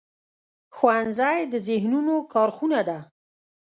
ښوونځی د ذهنونو کارخونه ده